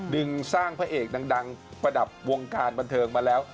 ดึงสร้างพระเอกดังประดับวงการบันเทิงมาแล้ว